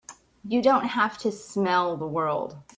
You don't have to smell the world!